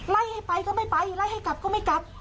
ไล่ให้ไปก็ไม่ไปไล่ให้กลับก็ไม่กลับ